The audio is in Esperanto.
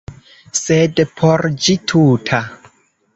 Sed por ĝi tuta.